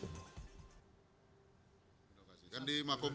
dari mahasiswa narratives dan pikirannya vocational